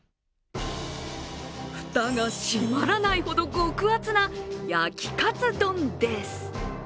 蓋が閉まらないほど極厚な焼きカツ丼です。